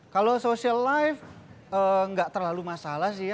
kalau social life nggak terlalu masalah sih ya